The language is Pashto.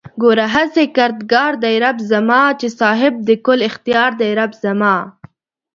گوره هسې کردگار دئ رب زما چې صاحب د کُل اختيار دئ رب زما